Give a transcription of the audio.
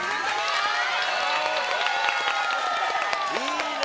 いいね。